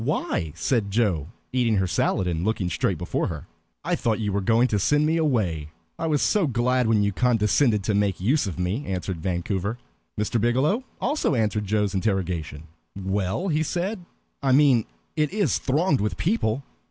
"Why?" said Joe, eating her salad and looking straight before her. "I thought you were going to send me away. I was so glad when you condescended to make use of me," answered Vancouver. Mr. Biggielow also answered Joe's interrogation. "Well," he said, "I mean it is thronged with people.